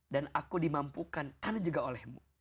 dan aku dimampukan karena juga oleh mu